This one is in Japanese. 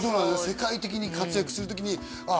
世界的に活躍する時にあ